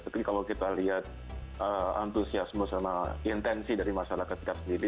tapi kalau kita lihat antusiasme sama intensi dari masyarakat kita sendiri